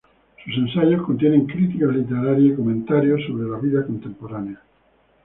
Sus ensayos contienen críticas literarias y comentarios sobre la vida contemporánea.